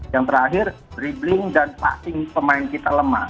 yang terakhir dribling dan pasting pemain kita lemah